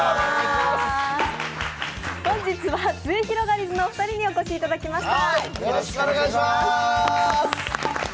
本日はすゑひろがりずの２人にお越しいただきました。